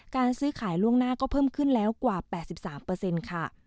การซื้อขายล่วงหน้าก็เพิ่มขึ้นแล้วกว่า๘๓ค่ะ